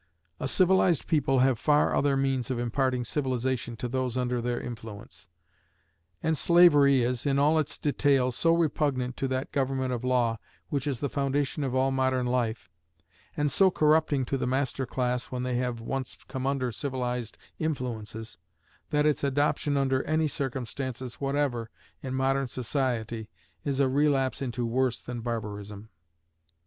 A civilized people have far other means of imparting civilization to those under their influence; and slavery is, in all its details, so repugnant to that government of law, which is the foundation of all modern life, and so corrupting to the master class when they have once come under civilized influences, that its adoption under any circumstances whatever in modern society is a relapse into worse than barbarism.